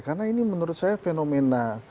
karena ini menurut saya fenomena